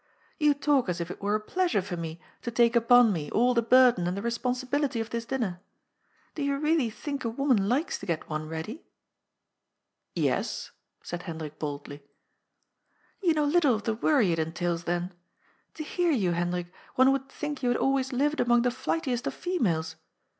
You talk as if it were a pleasure for me to take upon me all the burden and the responsibility of this dinner. Do you really think a woman likes to get one ready?" " Yes," said Hendrik boldly." " You know little of the worry it entails, then. To hear you, Hendrik, one would think you had always lived among the flightiest of females.